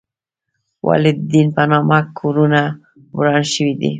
ولې د دین په نامه کورونه وران شوي دي؟